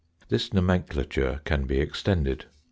This nomenclature can be extended.